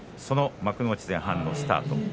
その幕内前半のスタート